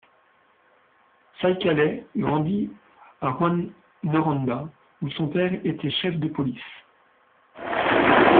Saikaley grandit à Rouyn-Noranda, où son père était chef de police.